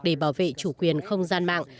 để bảo vệ chủ quyền không gian mạng